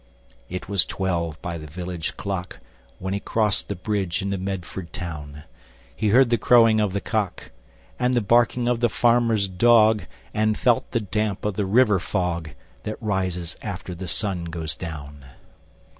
It was twelve by the village clock When he crossed the bridge into Medford town. He heard the crowing of the cock, And the barking of the farmerŌĆÖs dog, And felt the damp of the river fog, That rises after the sun goes down.